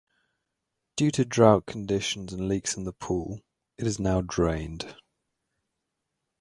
Due to drought conditions and leaks in the pool, it is now drained.